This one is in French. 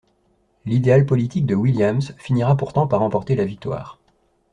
L’idéal politique de Williams finira pourtant par emporter la victoire.